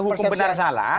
hukum benar salah